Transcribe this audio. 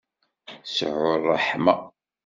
Sɛu ṛṛeḥma.